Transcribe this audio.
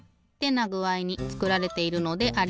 なぐあいにつくられているのであります。